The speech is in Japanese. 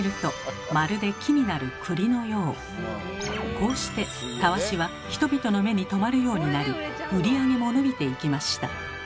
こうしてたわしは人々の目に留まるようになり売り上げも伸びていきました。